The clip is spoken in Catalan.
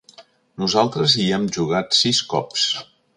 Nosaltres hi hem jugat sis cops.